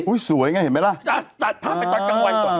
สวยไงเห็นไหมล่ะตัดภาพไปตอนกลางวันก่อน